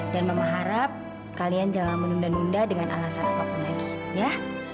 dan mama harap kalian jangan menunda nunda dengan alasan apapun lagi ya